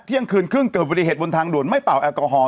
เที่ยงคืนครึ่งเกิดอุบัติเหตุบนทางด่วนไม่เป่าแอลกอฮอล